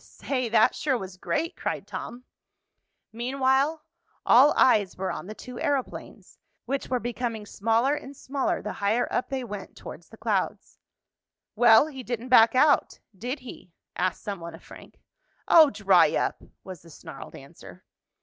"Say, that sure was great!" cried Tom. Meanwhile, all eyes were on the two aeroplanes, which were becoming smaller and smaller the higher up they went towards the clouds. "Well, he didn't back out; did he?" asked some one of Frank. "Oh, dry up!" was the snarled answer.